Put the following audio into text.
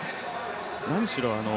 何しろ